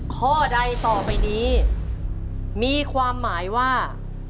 ข้อใดต่อไปนี้มีความหมายว่า